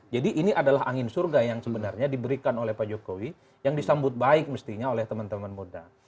jadi ini adalah angin surga yang sebenarnya diberikan oleh pak jokowi yang disambut baik mestinya oleh teman teman muda